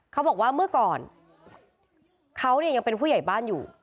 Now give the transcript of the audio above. เขาบอกว่าเมื่อก่อนเขาเนี่ยยังเป็นผู้ใหญ่บ้านอยู่